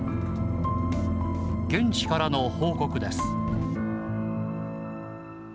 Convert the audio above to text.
現地からの報告です。